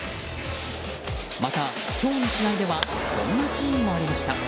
また、今日の試合ではこんなシーンもありました。